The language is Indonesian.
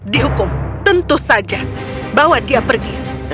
dihukum tentu saja bawa dia pergi